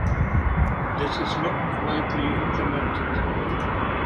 This is not widely implemented.